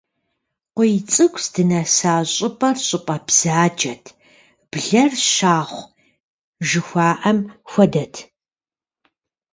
КъуийцӀыкӀу здынэса щӀыпӀэр щӀыпӀэ бзаджэт, блэр щахъу жыхуаӀэм хуэдэт.